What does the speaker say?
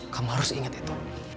kamu harus inget itu